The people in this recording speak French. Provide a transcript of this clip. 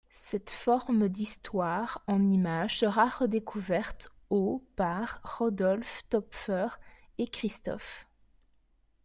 Cette forme d'histoire en image sera redécouverte au par Rodolphe Töpffer et Christophe.